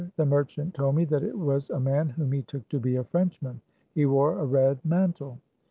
The merchant told me that it was a man whom he took to be a Frenchman. He wore a red mantle.